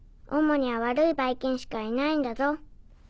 おんもには悪いバイキンしかいないんだぞ。